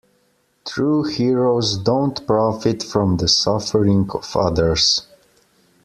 True heroes don't profit from the suffering of others.